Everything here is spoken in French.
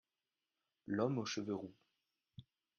L'homme aux cheveux roux.